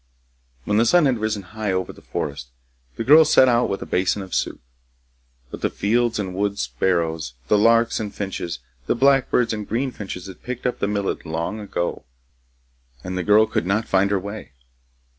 When the sun had risen high over the forest, the girl set out with a basin of soup. But the field and wood sparrows, the larks and finches, blackbirds and green finches had picked up the millet long ago, and the girl could not find her way.